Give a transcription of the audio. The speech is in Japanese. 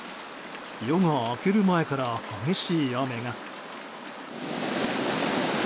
夜が明ける前から激しい雨が。